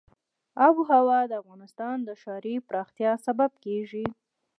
آب وهوا د افغانستان د ښاري پراختیا سبب کېږي.